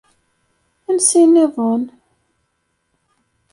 Ansi nniḍen?